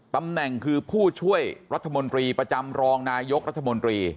ตำแหน่งคือผู้ช่วยรัฐมนตรีประจำรองนายกรัฐมนตรี